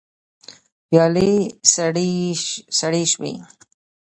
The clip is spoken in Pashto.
پيالې سړې شوې.